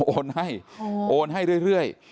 โอนให้โอนให้เรื่อย